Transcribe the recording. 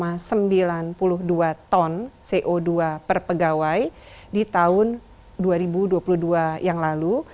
rp lima sembilan puluh dua ton co dua per pegawai di tahun dua ribu dua puluh dua yang lalu